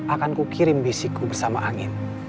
akanku kirim bisiku bersama angin